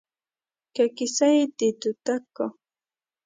که کيسه يې د دوتک کا